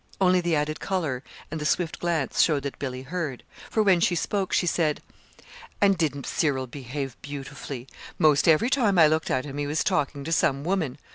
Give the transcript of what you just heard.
Only the added color and the swift glance showed that Billy heard, for when she spoke she said: "And didn't Cyril behave beautifully? 'Most every time I looked at him he was talking to some woman."